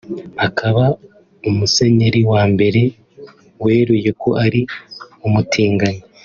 akaba umusenyeri wa mbere weruye ko ari umutinganyi